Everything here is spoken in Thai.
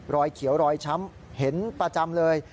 รอยเขียวรอยช้ำเห็นประจำเลย